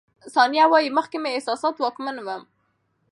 ثانیه وايي، مخکې په احساساتو واکمن وم.